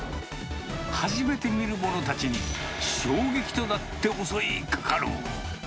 初めて見る者たちに、衝撃となって襲いかかる。